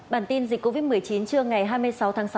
bản tin dịch covid một mươi chín trưa ngày hai mươi sáu tháng sáu